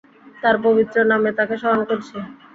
তার পবিত্র নামে তাকে স্মরণ করছি!